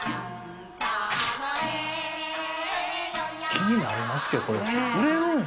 気になりますけどこれ売れる？